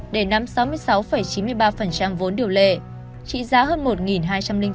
để nắm sáu mươi sáu chín mươi ba vốn điều lệ trị giá hơn một hai trăm linh bốn tỷ đồng